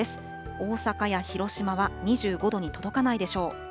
大阪や広島は２５度に届かないでしょう。